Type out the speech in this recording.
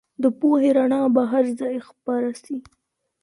د پوهې رڼا به هر ځای خپره سي.